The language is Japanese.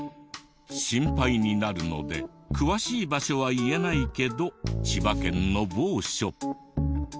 心配になるので詳しい場所は言えないけど千葉県の某所。